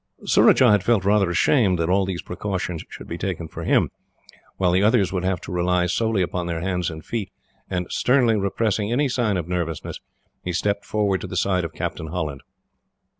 Surajah had felt rather ashamed that all these precautions should be taken for him, while the others would have to rely solely upon their hands and feet, and, sternly repressing any sign of nervousness, he stepped forward to the side of Captain Holland.